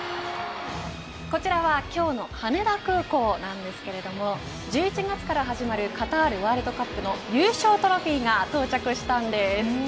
こちらは今日の羽田空港なんですけれども１１月から始まるカタールワールドカップの優勝トロフィーが到着したんです。